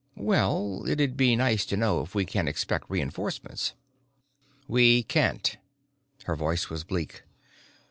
"Well, it'd be nice to know if we can expect reinforcements." "We can't." Her voice was bleak.